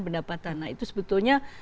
pendapatan nah itu sebetulnya